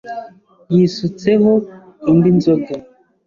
yisutseho indi nzoga.